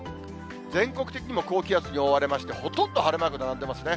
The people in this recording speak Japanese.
全国的にも高気圧に覆われまして、ほとんど晴れマーク並んでますね。